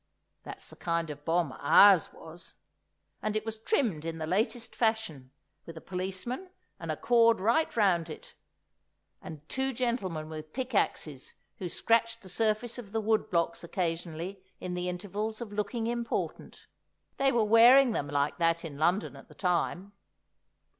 That's the kind of bomb ours was! And it was trimmed in the latest fashion, with a policeman, and a cord right round it, and two gentlemen with pickaxes who scratched the surface of the wood blocks occasionally in the intervals of looking important. They were wearing them like that in London at the time.